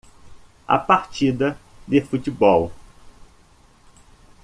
A partida de futebol.